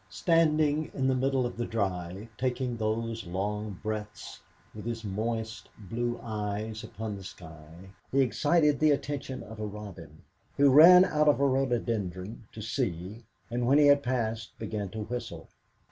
Standing in the middle of the drive, taking those long breaths, with his moist blue eyes upon the sky, he excited the attention of a robin, who ran out of a rhododendron to see, and when he had passed began to whistle.